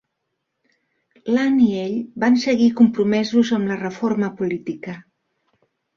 L'Ann i ell van seguir compromesos amb la reforma política.